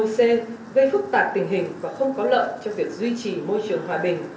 gây phức tạp tình hình và không có lợi cho việc duy trì môi trường hòa bình